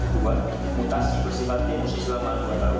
buat mutasi bersifat emosi selama dua tahun